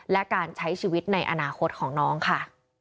และการใช้ชีวิตในอนาคตของน้องค่ะ